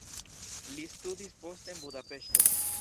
Li studis poste en Budapeŝto.